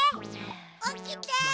おきて！